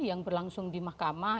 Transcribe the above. yang berlangsung di mahkamah